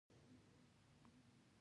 ډېر هومره چې سترګو يې اوښکې وکړې،